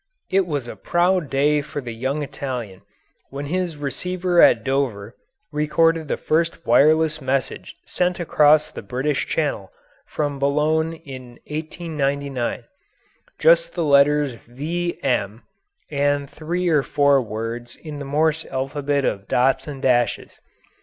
It was a proud day for the young Italian when his receiver at Dover recorded the first wireless message sent across the British Channel from Boulogne in 1899 just the letters V M and three or four words in the Morse alphabet of dots and dashes.